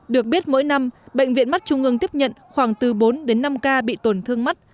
được biết mỗi năm bệnh viện mắt trung ương tiếp nhận khoảng từ bốn đến năm ca bị tổn thương mắt